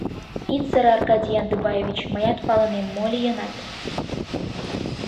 Ит сыре, Аркадий Яндыбаевич, мыят палынем: мо лийынат?